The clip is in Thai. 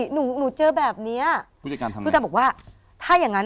หนูหนูเจอแบบเนี้ยผู้จัดการทำงานผู้จัดการบอกว่าถ้าอย่างงั้น